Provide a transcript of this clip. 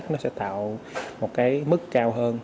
chính sách nó sẽ tạo một cái mức cao hơn